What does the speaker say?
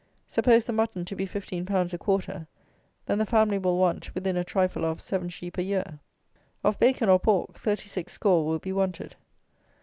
Suppose the mutton to be 15 lb. a quarter, then the family will want, within a trifle of, seven sheep a year. Of bacon or pork, 36 score will be wanted.